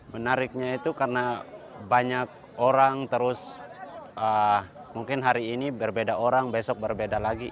menariknya itu karena banyak orang terus mungkin hari ini berbeda orang besok berbeda lagi